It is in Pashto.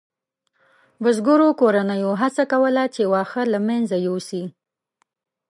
بزګرو کورنیو هڅه کوله چې واښه له منځه یوسي.